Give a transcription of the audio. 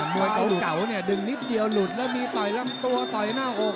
มวยเก่าเนี่ยดึงนิดเดียวหลุดแล้วมีต่อยลำตัวต่อยหน้าอก